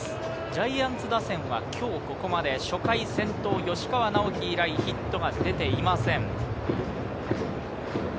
ジャイアンツ打線は今日ここまで初回先頭、吉川尚輝以来ヒットが出ていません。